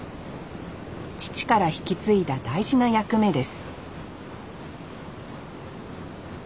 父から引き継いだ大事な役目です